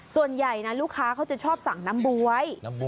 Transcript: ส่วนใหญ่นะลูกค้าเขาจะชอบสั่งน้ำบ๊วย